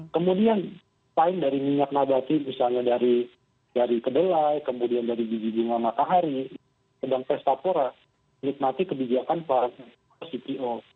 kemudian saing dari minyak nabati misalnya dari kedelai kemudian dari gigi gigi makahari dan pestapora menikmati kebijakan pariwisata cpo